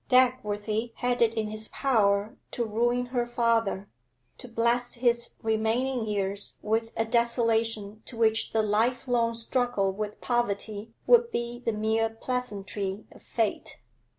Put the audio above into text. Dagworthy had it in his power to ruin her father, to blast his remaining years with a desolation to which the life long struggle with poverty would be the mere pleasantry of fate.